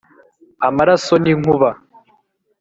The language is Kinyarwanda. amaraso n'inkuba